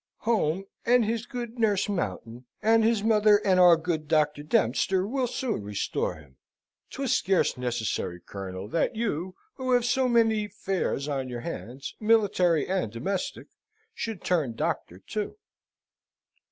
Home and his good nurse Mountain, and his mother and our good Doctor Dempster, will soon restore him. 'Twas scarce necessary, Colonel, that you, who have so many affairs on your hands, military and domestic, should turn doctor too."